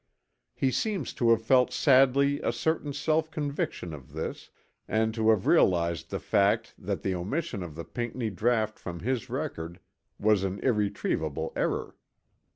He seems to have felt sadly a certain self conviction of this, and to have realized the fact that the omission of the Pinckney draught from his record was an irretrievable error.